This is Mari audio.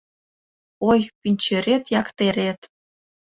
Ой, пӱнчерет-яктерет